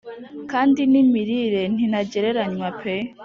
kandi n’imirire ni ntagereranywa pe!